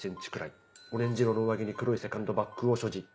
オレンジ色の上着に黒いセカンドバッグを所持。